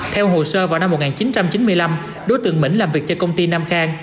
theo hồ sơ vào năm một nghìn chín trăm chín mươi năm đối tượng mỹ làm việc cho công ty nam khang